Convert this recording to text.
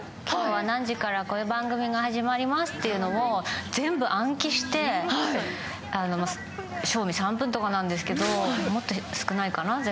今日は何時からこういう番組が始まりますっていうのを全部暗記して正味３分とかなんですけどもっと少ないかな？